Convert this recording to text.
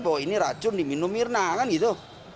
bahwa ini racun diminum mirna kan gitu